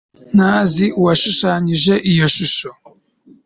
ntazi uwashushanyije iyo shusho